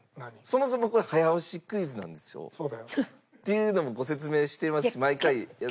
そもそもこれは早押しクイズなんですよ。っていうのもご説明してますし毎回。